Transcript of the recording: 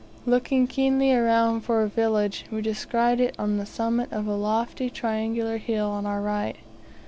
Looking keenly around for a village, we descried it on the summit of the lofty triangular hill on our right.